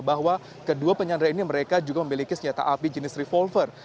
bahwa kedua penyandra ini mereka juga memiliki senjata api jenis revolver